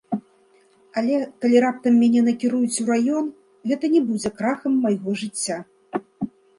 Але, калі раптам мяне накіруюць у раён, гэта не будзе крахам майго жыцця.